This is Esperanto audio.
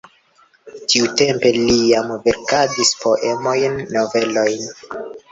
Tiutempe li jam verkadis poemojn, novelojn.